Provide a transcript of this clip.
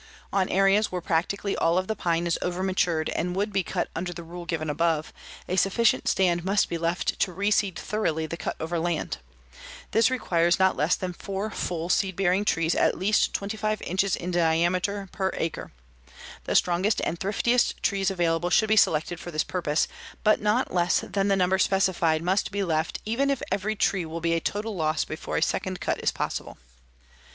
"On areas where practically all of the pine is over matured and would be cut under the rule given above, a sufficient stand must be left to reseed thoroughly the cut over land. This requires not less than four full seed bearing trees, at least 25 inches in diameter, per acre. The strongest and thriftiest trees available should be selected for this purpose, but not less than the number specified must be left even if every tree will be a total loss before a second cut is possible.